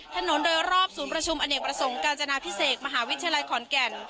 ถนนโดยรอบศูนย์ประชุมอเนกประสงค์กาญจนาพิเศษมหาวิทยาลัยขอนแก่น